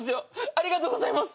ありがとうございます。